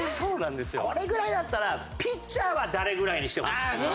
これぐらいだったら「ピッチャーは誰？」ぐらいにしてほしいわ。